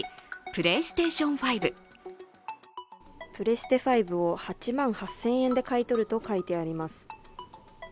プレステ５を８万８０００円で買い取ると書いてあります。